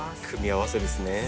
組み合わせですね。